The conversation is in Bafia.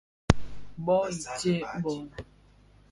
Bông i tséé bông.